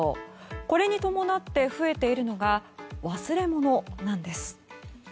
これに伴って増えているのが忘れ物なんです。